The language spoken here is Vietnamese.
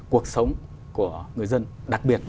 cuộc sống của người dân đặc biệt